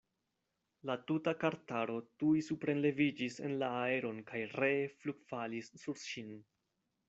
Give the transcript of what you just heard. La tuta kartaro tuj suprenleviĝis en la aeron kaj ree flugfalis sur ŝin.